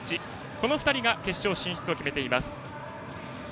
この２人が決勝進出を決めています。